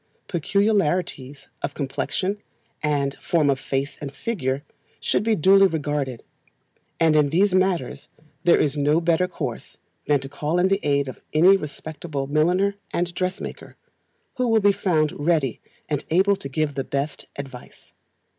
Peculiarities of complexion, and form of face and figure, should be duly regarded; and in these matters there is no better course than to call in the aid of any respectable milliner and dressmaker, who will be found ready and able to give the best advice.